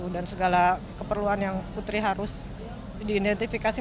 dan segala keperluan yang putri harus diidentifikasi